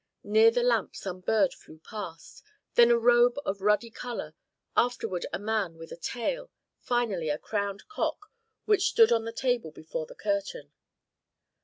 Near the lamp some bird flew past, then a robe of ruddy color, afterward a man with a tail, finally a crowned cock which stood on the table before the curtain.